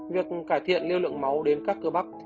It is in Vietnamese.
việc cải thiện lưu lượng máu đến các cơ bắp